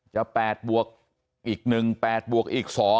๘บวกอีก๑๘บวกอีก๒